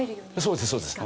そうですそうです。